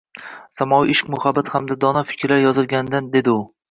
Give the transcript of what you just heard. Samoviy ishq-muhabbat hamda dono fikrlar yozilganidan, dedi u